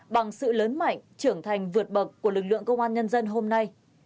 bằng sự lớn mạnh trưởng thành vượt bậc của lực lượng công an nhân dân hôm nay